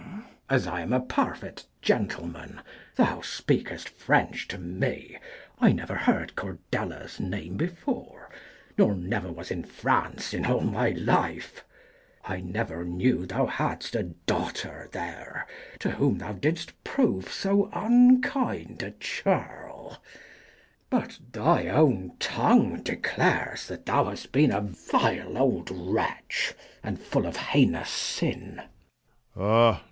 As I am a perfit gentleman, thou speakest French to me: 1 never heard Cordelia's name before, 1 50 Nor never was in France in all my life : I never knew thou hadst a daughter there, To whom thou did'st prove so unkind a churl : But thy own tongue declares that thou hast been A vile old wretch, and full of heinous sin.